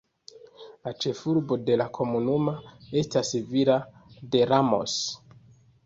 La ĉefurbo de la komunumo estas Villa de Ramos.